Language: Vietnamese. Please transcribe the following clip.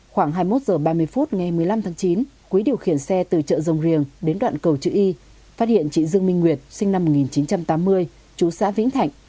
khoảng hai mươi một h ba mươi phút ngày một mươi năm tháng chín quý điều khiển xe từ chợ rồng riềng đến đoạn cầu chữ y phát hiện chị dương minh nguyệt sinh năm một nghìn chín trăm tám mươi chú xã vĩnh thạnh